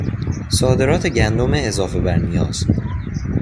صادرات گندم اضافه برنیاز